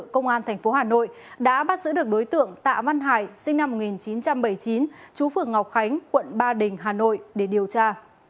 công an tp hà nội đã bắt giữ được đối tượng tạ văn hải sinh năm một nghìn chín trăm bảy mươi chín chú phường ngọc khánh quận ba đình hà nội để điều tra